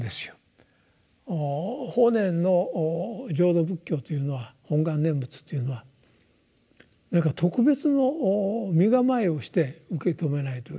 法然の浄土仏教というのは本願念仏というのは何か特別の身構えをして受け止めないといけないのかと思う必要はないんですね。